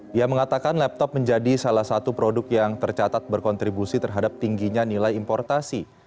dia mengatakan laptop menjadi salah satu produk yang tercatat berkontribusi terhadap tingginya nilai importasi